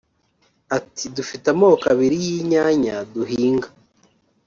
Ati “Dufite amoko abiri y’inyanya duhinga